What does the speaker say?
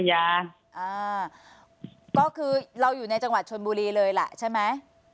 ก็คือเราอยู่ในจังหวัดชนบุรีเลยล่ะใช่ไหม